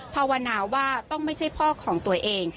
ภาวนาว่าต้องไม่ใช่พ่อของตัวเอง